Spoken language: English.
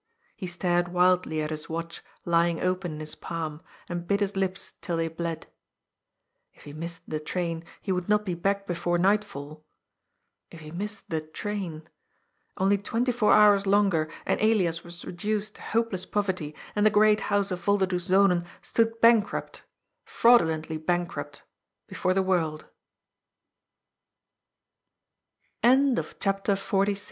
He stared wildly at his watch lying open in his palm, and bit his lips till they bled. If he missed the train, he would not be back before nightfall. If he missed the train! Only twenty four hours longer, and Elias was reduced to hopeless pov erty, and the great house of Volderdoes Zonen stood bank rupt — ^fraudule